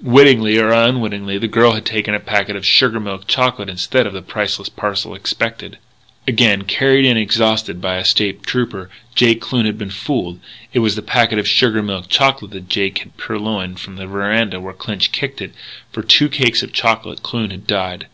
Wittingly or unwittingly, the girl had taken a packet of sugar milk chocolate instead of the priceless parcel expected. Again, carried in, exhausted, by a State Trooper, Jake Kloon had been fooled; and it was the packet of sugar milk chocolate that Jake had purloined from the veranda where Clinch kicked it. For two cakes of chocolate Kloon had died.